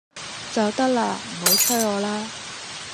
就得啦，唔好催我啦！